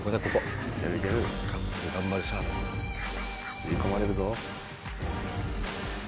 すいこまれるぞ。